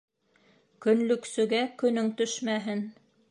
Көнлөксөгә көнөң төшмәһен.